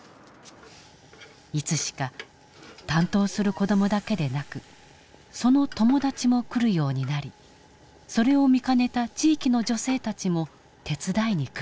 いつしか担当する子どもだけでなくその友達も来るようになりそれを見かねた地域の女性たちも手伝いに来る。